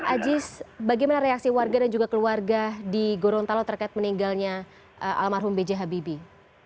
ajis bagaimana reaksi warga dan juga keluarga di gorontalo terkait meninggalnya almarhum b j habibie